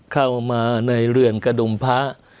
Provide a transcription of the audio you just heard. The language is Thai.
เข้ามาในเรือนกระดุมพระ